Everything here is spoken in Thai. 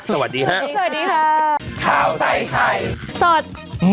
สวัสดีครับ